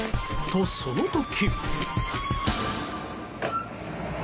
と、その時。